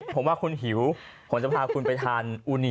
ผมว่าคุณหิวผมจะพาคุณไปทานอูนี